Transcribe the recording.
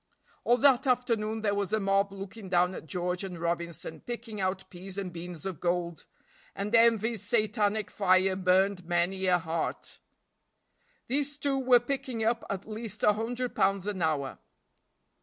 All that afternoon there was a mob looking down at George and Robinson picking out peas and beans of gold, and envy's satanic fire burned many a heart. These two were picking up at least a hundred pounds an hour.